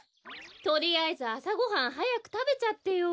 とりあえずあさごはんはやくたべちゃってよ。